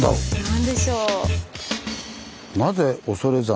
何でしょう？